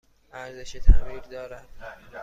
ارزش تعمیر دارد؟